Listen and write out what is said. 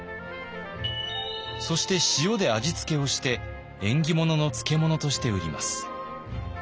そして塩で味付けをして縁起物の漬物として売ります。